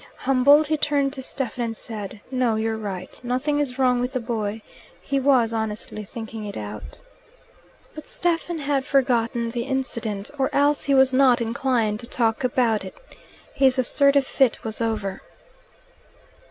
Humbled, he turned to Stephen and said, "No, you're right. Nothing is wrong with the boy. He was honestly thinking it out." But Stephen had forgotten the incident, or else he was not inclined to talk about it. His assertive fit was over.